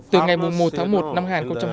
từ ngày một tháng một năm hai nghìn hai mươi